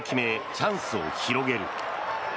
チャンスを広げる。